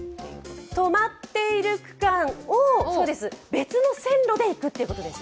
止まっている区間を別の線路でいくってことです。